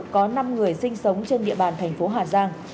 có năm người sinh sống trên địa bàn thành phố hà giang